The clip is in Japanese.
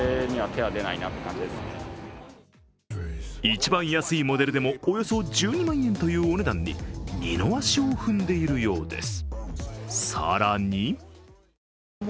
一番安いモデルでもおよそ１２万円というお値段に二の足を踏んでいるようです。